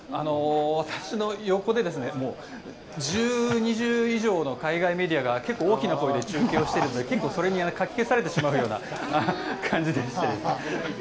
私の横で１０２０以上の海外メディアが結構大きな声で中継をしているのでそれにかき消されてしまうような感じでして。